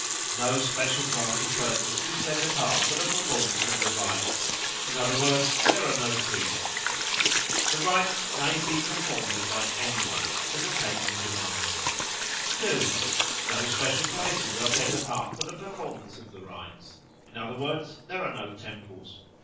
No special class of persons is set apart for the performance of the rites; in other words, there are no priests. The rites may be performed by any one, as occasion demands. 2. No special places are set apart for the performance of the rites; in other words, there are no temples.